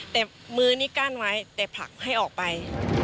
แต่มือนี้กั้นไว้แต่ผลักให้ออกไป